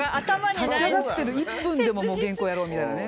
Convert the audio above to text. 立ち上がってる１分でももう原稿やろう！みたいなね。